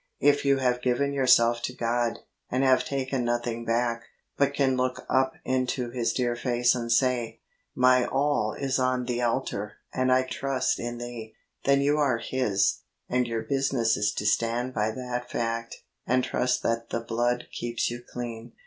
If you have given yourself to God, and have taken nothing back, but can look up into His dear face and say, ' My all is on the altar, and I trust in Thee,' then you are His, and your business is to stand by that HOW TO KEEP HOLINESS 65 fact, and trust that the Blood keeps you clean.